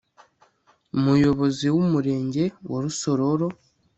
muyobozi w’umurenge, wa rusororo